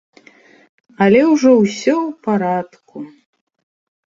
Але ўжо ўсё ў парадку.